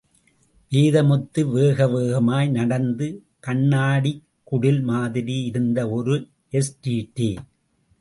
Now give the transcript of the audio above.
வேதமுத்து, வேகவேகமாய் நடந்து, கண்ணாடிக் குடில் மாதிரி இருந்த ஒரு எஸ்.டி.டி.